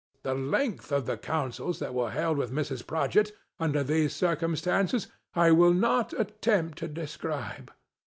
The length of the councils that were held with Mrs. Prodgit, under these circumstances, I will not attempt to describe.